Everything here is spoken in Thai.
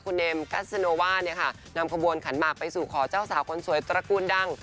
คุณเนมกัสโนว่าเนี่ยค่ะนำขบวนขันหมากไปสู่ขอเจ้าสาวคนสวยตระกูลดัง